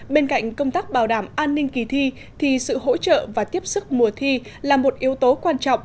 bên cạnh công tác bảo đảm an ninh kỳ thi thì sự hỗ trợ và tiếp sức mùa thi là một yếu tố quan trọng